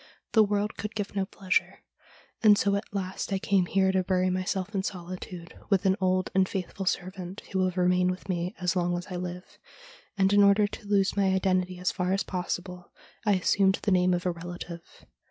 The world could give no pleasure, and so at last I came here to bury myself in solitude, with an old and faithful servant, who will remain with me as long as I live ; and, in order to lose my identity as far as possible, I assumed the name of a relative.'